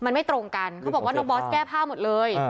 มันไม่ตรงกันเขาบอกว่าน้องบอสแก้ผ้าหมดเลย